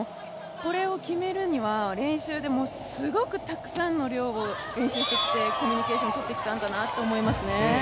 これを決めるには、すごくたくさんの量を練習してコミュニケーションとってきたんだなと思いますね。